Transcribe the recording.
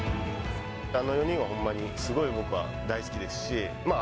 あの４人はほんまに、すごい僕は大好きですし、まあ、